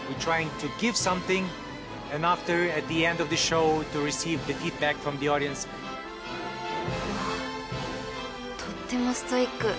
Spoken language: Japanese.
［うわっとってもストイック！］